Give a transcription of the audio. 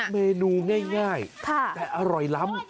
เมนูง่ายแต่อร่อยล้ำ